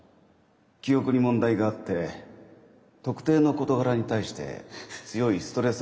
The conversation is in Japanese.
記憶に問題があって特定の事柄に対して強いストレス反応を起こします。